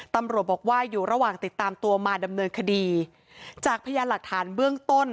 ตำรวจบอกว่าอยู่ระหว่างติดตามตัวมาดำเนินคดีจากพยานหลักฐานเบื้องต้น